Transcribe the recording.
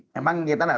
memang kita tidak